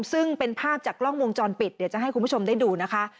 ซึ่งเป็นภาพจากกล้องวงจรปิดเดี๋ยวจะให้คุณผู้ชมได้ดูนะคะ